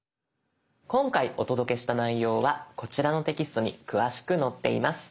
今回お届けした内容はこちらのテキストに詳しく載っています。